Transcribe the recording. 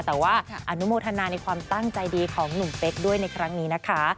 แต่ว่าอนุโมทนาในความตั้งใจดีของหนุ่มเป๊กด้วยในครั้งนี้นะคะ